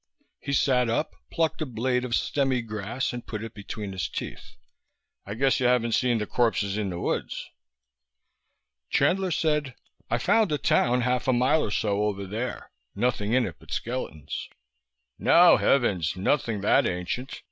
He sat up, plucked a blade of stemmy grass and put it between his teeth. "I guess you haven't seen the corpses in the woods." Chandler said, "I found a town half a mile or so over there, nothing in it but skeletons." "No, heavens, nothing that ancient.